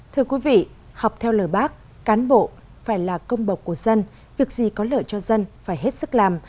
thưa quý vị học theo lời bác cán bộ phải là công bậc của dân việc gì có lợi cho dân phải hết sức làm